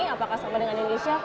apakah sama dengan indonesia